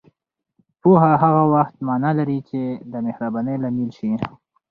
پوهه هغه وخت معنا لري چې دمهربانۍ لامل شي